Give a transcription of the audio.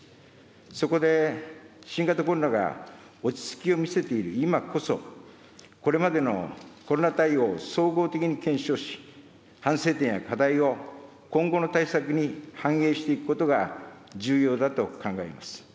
そこで新型コロナが落ち着きを見せている今こそ、これまでのコロナ対応を総合的に検証し、反省点や課題を今後の対策に反映していくことが重要だと考えます。